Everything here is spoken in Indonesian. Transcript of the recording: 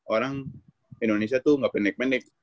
orang indonesia tuh gak pendek pendek